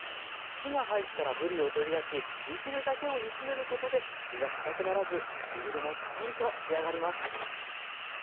火が入ったらぶりを取り出し煮汁だけを煮詰めることで身が堅くならず煮汁もとろりと仕上がります。